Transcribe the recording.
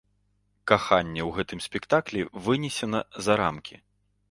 Каханне ў гэтым спектаклі вынесена за рамкі.